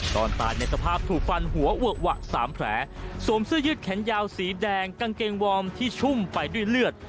ตอนตายในสภาพถูกฟันหัวเวอะหวะสามแผลสวมเสื้อยืดแขนยาวสีแดงกางเกงวอร์มที่ชุ่มไปด้วยเลือด